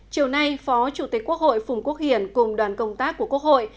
chiều nay phó chủ tịch quốc hội phùng quốc hiển cùng đoàn công tác của quốc hội